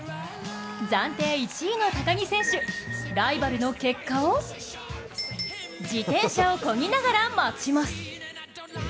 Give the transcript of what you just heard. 暫定１位の高木選手、ライバルの結果を自転車をこぎながら待ちます。